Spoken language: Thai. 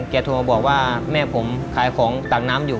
โทรมาบอกว่าแม่ผมขายของตักน้ำอยู่